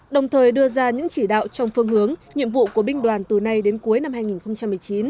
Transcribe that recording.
đồng thời đưa ra những chỉ đạo trong phương hướng nhiệm vụ của binh đoàn từ nay đến cuối năm hai nghìn một mươi chín